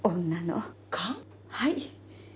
はい。